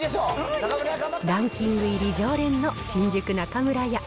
ランキング入り常連の新宿中村屋。